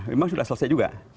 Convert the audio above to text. memang sudah selesai juga